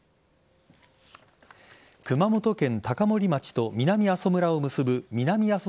熊本県高森町と南阿蘇村を結ぶ南阿蘇